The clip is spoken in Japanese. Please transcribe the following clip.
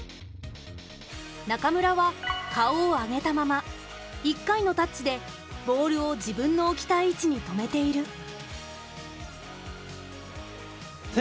中村は顔を上げたまま１回のタッチでボールを自分の置きたい位置に止めている。